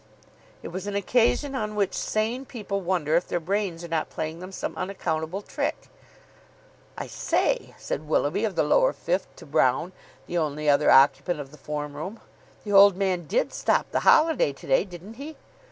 It was an occasion on which sane people wonder if their brains are not playing them some unaccountable trick. "I say," said Willoughby, of the Lower Fifth, to Brown, the only other occupant of the form room, "the old man did stop the holiday to day, didn't he?"